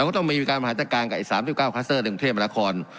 ก็ต้องมีการหันตราการกับสามสิบเก้าคลัสเตอร์ในกรุงเทพมหันตะคอน